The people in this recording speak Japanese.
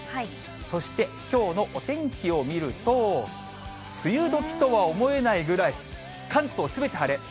そして、きょうのお天気を見ると、梅雨どきとは思えないぐらい、関東すべて晴れ。